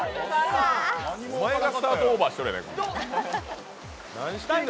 お前がスタートオーバーしてるやんか。